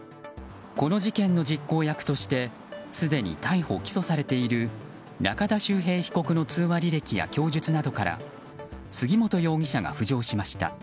この事件の実行役としてすでに逮捕・起訴されている中田秀平被告の通話履歴や供述などから杉本容疑者が浮上しました。